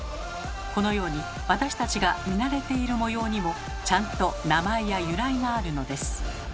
このように私たちが見慣れている模様にもちゃんと名前や由来があるのです。